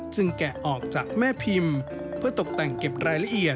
แกะออกจากแม่พิมพ์เพื่อตกแต่งเก็บรายละเอียด